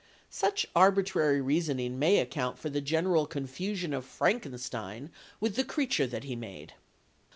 Such arbitrary reasoning may account for the general confusion of Frankenstein with the creature that he made.